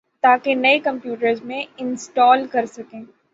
تاکہ نئی کمپیوٹرز میں انسٹال کر سکیں